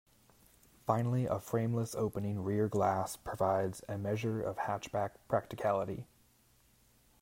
Finally, a frameless opening rear glass provides a measure of hatchback practicality.